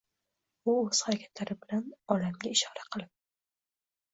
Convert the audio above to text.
u o‘z harakatlari bilan olamga ishora qilib